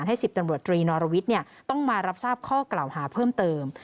๑๐ตำรวจตรีนอรวิทย์ต้องมารับทราบข้อกล่าวหาเพิ่มเติม